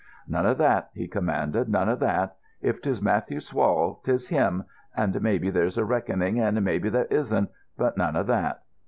"None of that," he commanded. "None of that. If 'tis Matthew Swall, 'tis him; and maybe there's a reckoning, and maybe there isn't, but none of that.